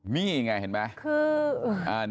มียังไงเห็นไหม